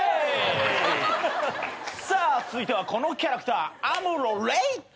さあ続いてはこのキャラクターアムロ・レイ。